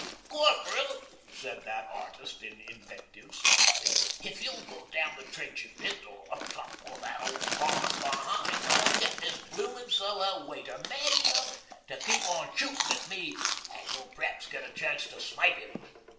'Corp'ril,' said that artist in invective softly, 'if you'll go down the trench a bit or up top o' that old barn behind I'll get this bloomin' Soho waiter mad enough to keep on shootin' at me, an' you'll p'raps get a chance to snipe 'im.'